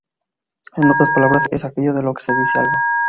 En otras palabras, es aquello de lo que se dice algo.